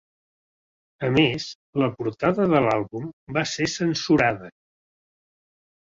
A més la portada de l'àlbum va ser censurada.